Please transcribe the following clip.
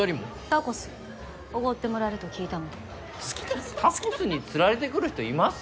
タコスおごってもらえると聞いたので好きなんだタコスにつられて来る人います？